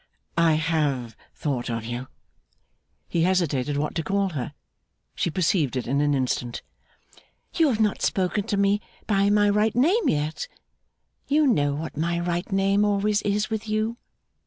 'I have thought of you ' he hesitated what to call her. She perceived it in an instant. 'You have not spoken to me by my right name yet. You know what my right name always is with you.